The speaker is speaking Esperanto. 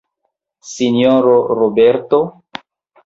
Sinjoro Roberto?